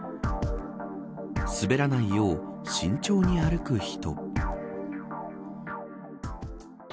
滑らないよう慎重に歩く人。